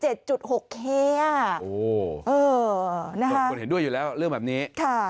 ทุกคนเห็นด้วยอยู่แล้วเรื่องแบบนี้